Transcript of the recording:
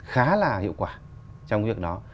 khá là hiệu quả trong việc đó